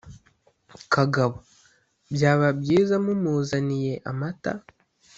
kagabo: byaba byiza mumuzaniye amata